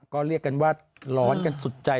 ก็เรียกกันว่าร้อนกันสุดใจ